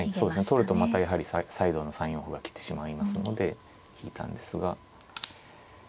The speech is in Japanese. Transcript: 取るとまたやはり再度の３四歩が来てしまいますので引いたんですが。